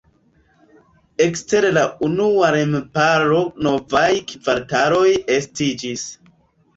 Ekster la unua remparo novaj kvartaloj estiĝis.